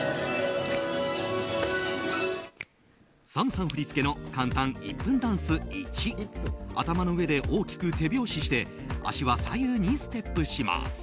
ＳＡＭさん振り付けの簡単１分ダンス１頭の上で大きく手拍子して足は左右にステップします。